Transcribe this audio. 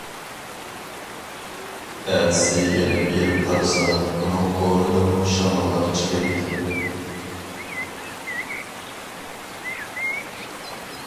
ئەتىسى يەنە بېرىپ قارىسا، ئۇنىڭ ئورنىدىمۇ شاماللار چىقىۋېتىپتۇ.